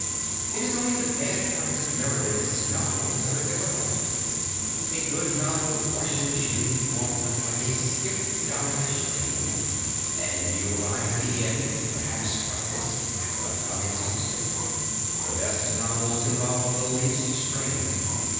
It is only the bad parts of Meredith's novels that are difficult. A good novel rushes you forward like a skiff down a stream, and you arrive at the end, perhaps breathless, but unexhausted. The best novels involve the least strain.